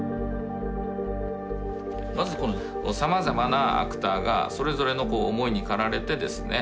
まずこのさまざまなアクターがそれぞれの思いに駆られてですね